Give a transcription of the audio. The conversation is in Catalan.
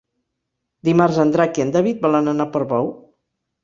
Dimarts en Drac i en David volen anar a Portbou.